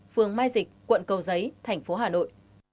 phường mai dịch quận cầu giấy tp hà nội